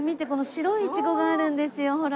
白いイチゴがあるんですよほら。